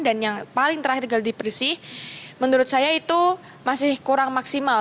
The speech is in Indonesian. dan yang paling terakhir geladi bersih menurut saya itu masih kurang maksimal